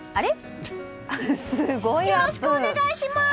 よろしくお願いします！